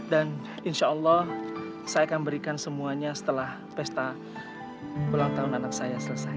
dan insyaallah saya akan berikan semuanya setelah pesta ulang tahun anak saya selesai